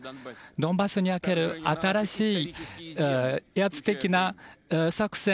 ドンバスにおける新しい威圧的な作戦